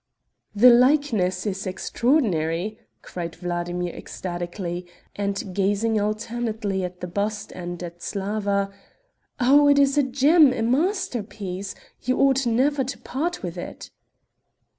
"The likeness is extraordinary!" cried Vladimir ecstatically, and gazing alternately at the bust and at Slawa. "Oh, it is a gem, a masterpiece! you ought never to part with it."